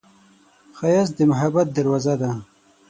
ښایست د محبت دروازه ده